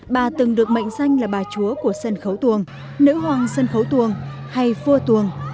bà từng được mệnh danh là bà chúa của sân khấu tuồng nữ hoàng sân khấu tuồng hay vua tuồng